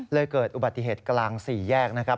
เกิดอุบัติเหตุกลาง๔แยกนะครับ